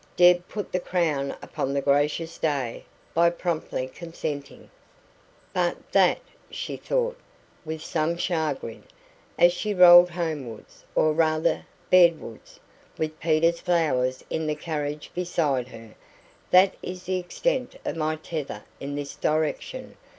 Deb put the crown upon the gracious day by promptly consenting. "But that," she thought, with some chagrin, as she rolled homewards or rather, bedwards with Peter's flowers in the carriage beside her "that is the extent of my tether in this direction.